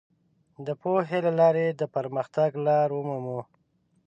د پوهې له لارې د پرمختګ لار ومومو.